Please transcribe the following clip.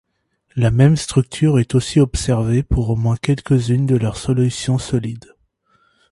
La même structure est aussi observée pour au moins quelques-unes de leurs solutions solides.